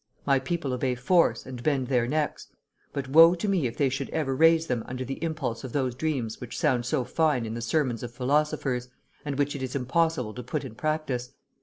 My people obey force, and bend their necks; but woe to me if they should ever raise them under the impulse of those dreams which sound so fine in the sermons of philosophers, and which it is impossible to put in practice.